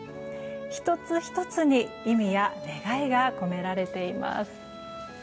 １つ１つに意味や願いが込められています。